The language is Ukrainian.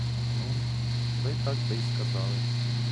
Ну, ви так би й казали!